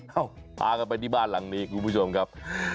พากันไปที่บ้านหลังนี้คุณผู้ชมครับ